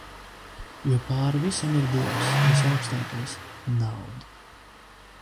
Jo pāri visam ir dievs visaugstākais – nauda.